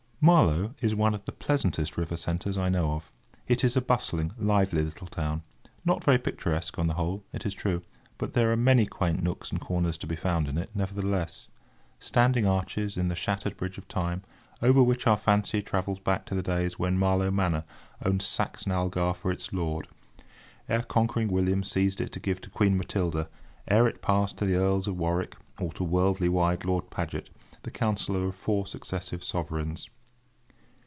Marlow is one of the pleasantest river centres I know of. It is a bustling, lively little town; not very picturesque on the whole, it is true, but there are many quaint nooks and corners to be found in it, nevertheless—standing arches in the shattered bridge of Time, over which our fancy travels back to the days when Marlow Manor owned Saxon Algar for its lord, ere conquering William seized it to give to Queen Matilda, ere it passed to the Earls of Warwick or to worldly wise Lord Paget, the councillor of four successive sovereigns.